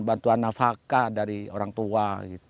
bantuan nafakah dari orang tua